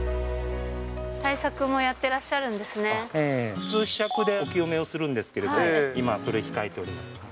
対策もやってらっしゃるんで普通、ひしゃくでお清めをするんですけれども、今、それ控えております。